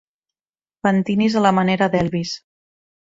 Pentinis a la manera d'Elvis.